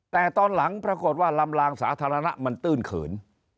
แต่ตอนหลังปรากฏว่าลำลางสาธารณะมันตื้นเขิน